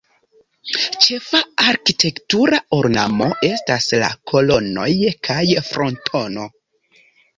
Ĉefa arkitektura ornamo estas la kolonoj kaj frontono.